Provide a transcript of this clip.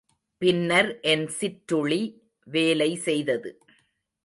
பின்னர் என் சிற்றுளி வேலை செய்தது.